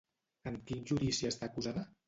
En quin judici està acusada?